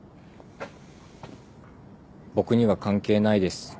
僕には関係ないです。